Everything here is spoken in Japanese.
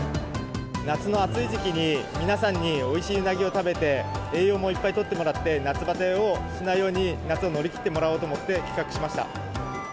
夏の暑い時期に、皆さんにおいしいうなぎを食べて、栄養もいっぱいとってもらって、夏バテをしないように、夏を乗り切ってもらおうと思って企画しました。